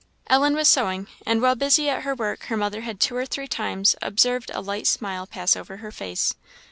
Ellen was sewing, and while busy at her work her mother had two or three times observed a light smile pass over her face.